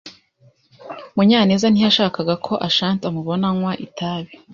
Munyanez ntiyashakaga ko Ashanti amubona anywa itabi.